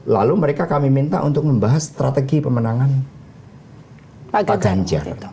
lalu kami minta mereka membahas strategi pemenangan paganjar